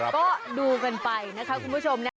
ก็ดูกันไปนะคะคุณผู้ชมนะ